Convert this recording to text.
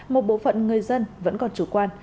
một bộ phận người dân vẫn còn chủ quan